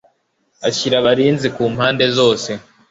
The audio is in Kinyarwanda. ashyira abarinzi ku mpande zose